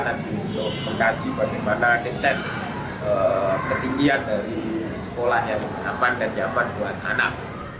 untuk mengaji bagaimana desain ketinggian dari sekolah yang aman dan nyaman buat anak